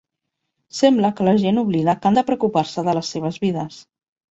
Sembla que la gent oblida que han de preocupar-se de les seves vides.